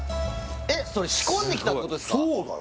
えっそれ仕込んできたってことですか？